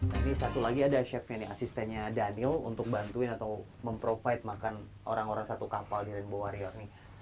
tapi satu lagi ada chefnya nih asistennya daniel untuk bantuin atau memprovide makan orang orang satu kapal di rainbow warrior nih